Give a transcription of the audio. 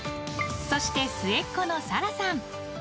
そして、末っ子の紗来さん。